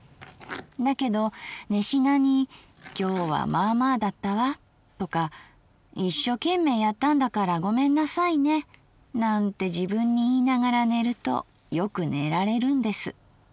だけど寝しなに『今日はまあまあだったわ』とか『一所懸命やったんだからごめんなさいね』なんて自分に言いながら寝るとよく寝られるんです。